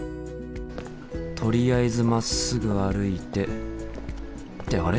とりあえずまっすぐ歩いてってあれ？